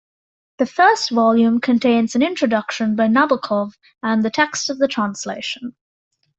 The first volume contains an introduction by Nabokov and the text of the translation.